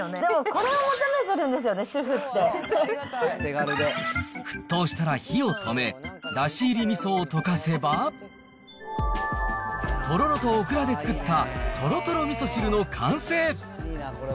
これを求めてるんですよね、沸騰したら火を止め、だし入りみそを溶かせば、トロロとオクラで作ったとろとろみそ汁の完成。